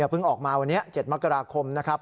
เพิ่งออกมาวันนี้๗มกราคมนะครับ